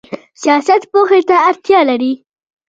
سیاست پوهې ته اړتیا لري